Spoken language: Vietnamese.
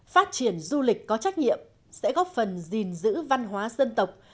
phát triển du lịch có trách nhiệm sẽ góp phần gìn giữ văn hóa dân tộc